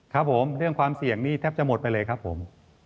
ครับผมเรื่องความเสี่ยงนี่แทบจะหมดไปเลยครับผม